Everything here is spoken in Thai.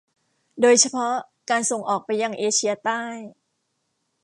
โดยเฉพาะการส่งออกไปยังเอเชียใต้